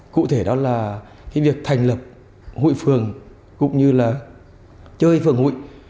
cụ thể đó là việc thành lập hội phưởng cũng như là chơi phưởng hội